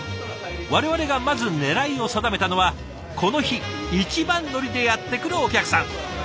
我々がまず狙いを定めたのはこの日一番乗りでやって来るお客さん。